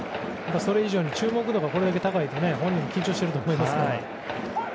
それ以上に注目度がこれだけ高いと本人も緊張していると思いますから。